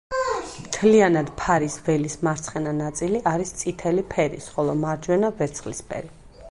მთლიანად ფარის ველის მარცხენა ნაწილი არის წითელი ფერის, ხოლო მარჯვენა ვერცხლისფერი.